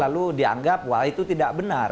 lalu dianggap wah itu tidak benar